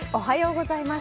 おはようございます。